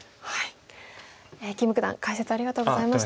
金九段解説ありがとうございました。